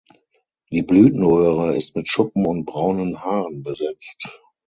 Die Blütenröhre ist mit Schuppen und braunen Haaren besetzt.